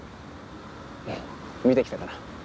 見てきたから。